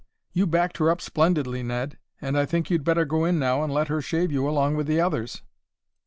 "You backed her up splendidly, Ned; and I think you'd better go in now and let her shave you along with the others."